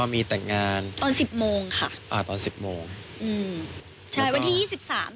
มีแต่งงานตอนสิบโมงค่ะอ่าตอนสิบโมงอืมใช่วันที่ยี่สิบสาม